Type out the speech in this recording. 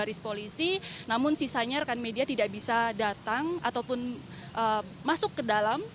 mereka bisa melihat dibalik garis polisi namun sisanya rekan media tidak bisa datang ataupun masuk ke dalam